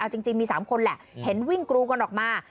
เอาจริงมี๓คนแหละเห็นวิ่งกรูกันออกมา